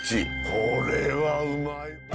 これはうまい。